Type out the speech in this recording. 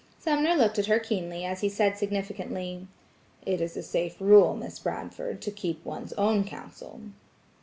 Sumner looked at her keenly as he said significantly: "It is a safe rule, Miss Bradford, to keep one's own counsel."